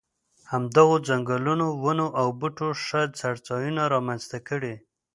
همدغو ځنګلونو ونو او بوټو ښه څړځایونه را منځته کړي.